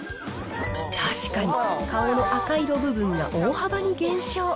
確かに、顔の赤色部分が大幅に減少。